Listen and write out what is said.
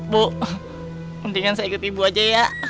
bu mendingan saya ikut ibu aja ya